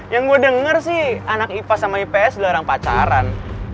yang gue denger sih anak ipa sama ips dilarang pacaran